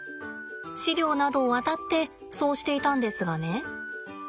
資料などをあたってそうしていたんですがね